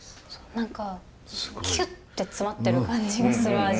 何かキュって詰まってる感じがする味。